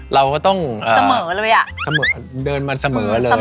เราก็ต้องเอ้อเพิ่งเดินมาเสมอเลย